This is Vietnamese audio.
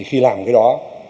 khi làm cái đó